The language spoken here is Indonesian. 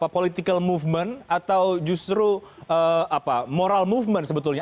political movement atau justru moral movement sebetulnya